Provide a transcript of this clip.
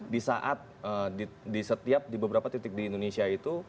di saat di setiap di beberapa titik di indonesia itu